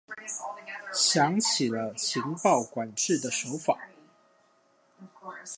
想起了情報管制的手法